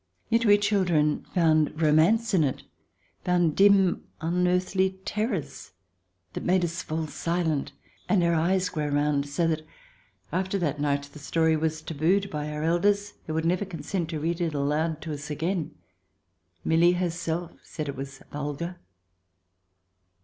Yet we children found romance in it; found dim, unearthly terrors, that made us fall silent and our eyes grow round, so that after that night the story was tabooed by our elders, who would never consent to read it aloud to us again. Milly herself said it was vulgar.